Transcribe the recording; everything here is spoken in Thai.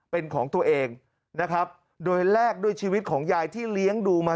เป็นของตัวเองนะครับโดยแลกด้วยชีวิตของยายที่เลี้ยงดูมา